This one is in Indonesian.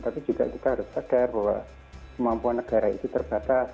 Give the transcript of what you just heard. kita harus sadar bahwa kemampuan negara itu terbatas